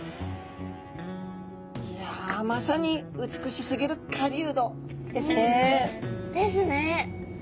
いやまさに「美しすぎる狩人」ですね！ですね！